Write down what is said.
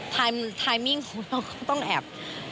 ทไมมิ่งของเราก็ต้องแอบ